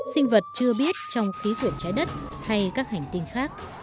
sinh vật chưa biết trong khí tượng trái đất hay các hành tinh khác